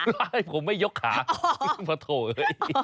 ไม่ผมไม่ยกขามาโถ่เลย